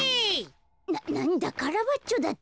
なんだカラバッチョだったのか。